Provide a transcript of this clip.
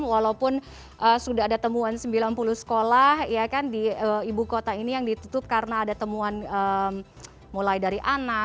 walaupun sudah ada temuan sembilan puluh sekolah di ibu kota ini yang ditutup karena ada temuan mulai dari anak